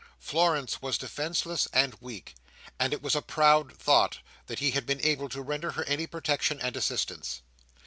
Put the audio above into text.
Florence was defenceless and weak, and it was a proud thought that he had been able to render her any protection and assistance.